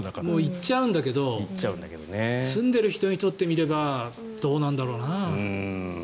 行っちゃうんだけど住んでる人にとってみればどうなんだろうな。